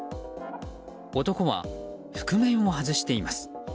男は、覆面を外しています。